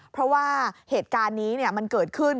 เพราะว่าเหตุการณ์นี้มันเกิดขึ้น